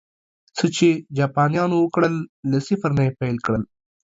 څه چې جاپانيانو وکړل، له صفر نه یې پیل کړل